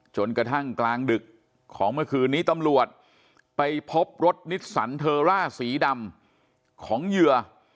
จนกระทั่งกลางดึกของเมื่อคืนนี้ตำรวจไปพบรถนิสสันเทอร่าสีดำของเหยื่อ